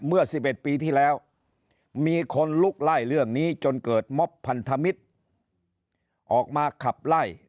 เมื่อ๑๑ปีที่แล้วมีคนลุกไล่เรื่องนี้จนเกิดม็อบพันธมิตรออกมาขับไล่